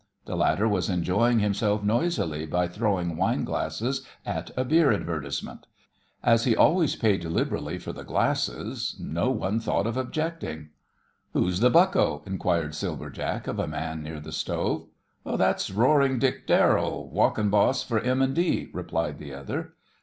The latter was enjoying himself noisily by throwing wine glasses at a beer advertisement. As he always paid liberally for the glasses, no one thought of objecting. "Who's th' bucko?" inquired Silver Jack of a man near the stove. "That's Roaring Dick Darrell, walkin' boss for M. & D.," replied the other.